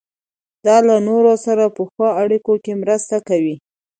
دا له نورو سره په ښو اړیکو کې مرسته کوي.